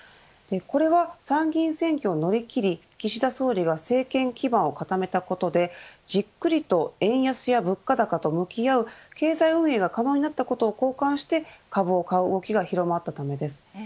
これは参議院選挙を乗り切り岸田政権が政権基盤を固めたことでじっくりと円安や物価高と向き合う経済運営が可能になったことを好感して株を買う動きが広まったためです。